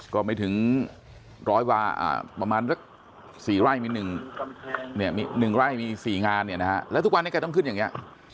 ก็ไปถึงร้อยประมาณ๔ไร่มี๑ไร่มี๔งานแล้วทุกวันให้ต้องขึ้นอย่างนี้